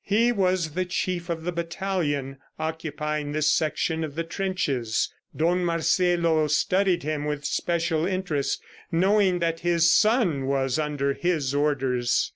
He was the Chief of the battalion occupying this section of the trenches. Don Marcelo studied him with special interest, knowing that his son was under his orders.